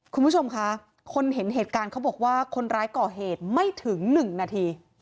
คุณผู้ชมคะคนเห็นเหตุการณ์เขาบอกว่าคนร้ายก่อเหตุไม่ถึง๑นาที